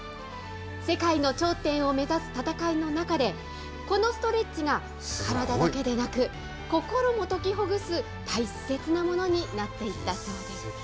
世界の頂点を目指す戦いの中で、このストレッチが、体だけでなく、心も解きほぐす、大切なものになっていったそうです。